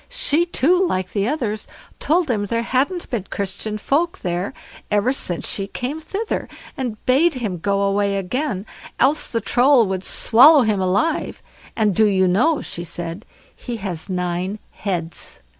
She too like the others told him there hadn't been Christian folk there ever since she came thither, and bade him go away again, else the Troll would swallow him alive, and do you know, she said, he has nine heads.